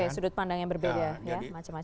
sudut pandang yang berbeda